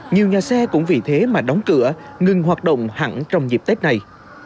nhiều nhà xe cũng vì thế mà đóng cửa ngừng hoạt động hẳn trong dịp tết này